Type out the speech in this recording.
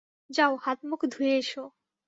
যাও, হাত-মুখ ধুয়ে এস।